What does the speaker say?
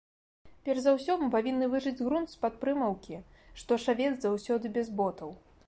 Перш за ўсё мы павінны выжыць грунт з-пад прымаўкі, што шавец заўсёды без ботаў.